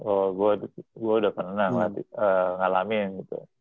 oh gue udah pernah ngalamin gitu